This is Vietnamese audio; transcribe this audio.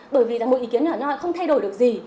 bởi vì là một ý kiến nhỏ nhỏ không thay đổi được gì